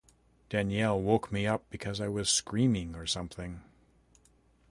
Danielle woke me up because I was screaming or something.